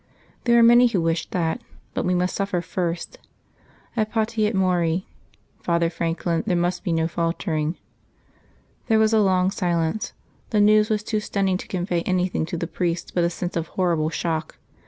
There are many who wish that. But we must suffer first. Et pati et mori. Father Franklin, there must be no faltering." There was a long silence. The news was too stunning to convey anything to the priest but a sense of horrible shock.